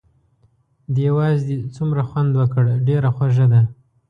دې وازدې څومره خوند وکړ، ډېره خوږه ده.